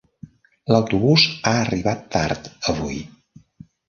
L'autobús ha arribat tard avui.